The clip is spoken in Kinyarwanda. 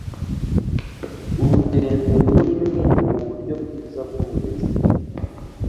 Urugendo nimwe muburyo bwiza bwuburezi.